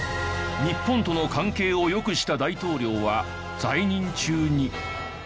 日本との関係を良くした大統領は在任中に。